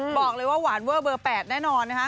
บอกเลยว่าหวานเวอร์เบอร์๘แน่นอนนะคะ